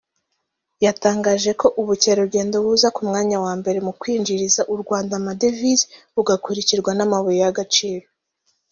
yatangaje ko ubukerarugendo buza ku mwanya wa mbere mu kwinjiriza u Rwanda amadevize bugakurikirwa n’amabuye y’agaciro